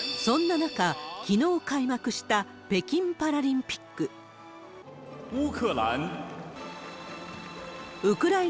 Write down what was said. そんな中、きのう開幕した北京パラリンピック。